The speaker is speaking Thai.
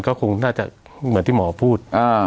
ก็คงแน่ที่หมอพูด